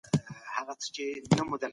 پېژندنه د درملنې برخه ده.